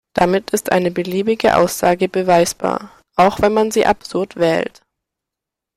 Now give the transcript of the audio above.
Damit ist eine beliebige Aussage beweisbar, auch wenn man sie absurd wählt.